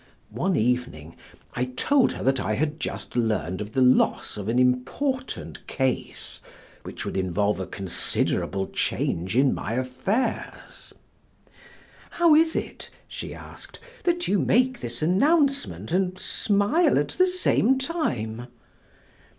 One evening, I told her that I had just learned of the loss of an important case, which would involve a considerable change in my affairs. "How is it," she asked, "that you make this announcement and smile at the same time?"